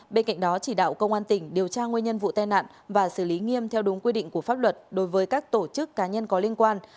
bên cạnh đó chỉ đạo công an tỉnh điều tra nguyên nhân vụ tai nạn và xử lý nghiêm theo đúng quy định của pháp luật đối với các tổ chức cá nhân có liên quan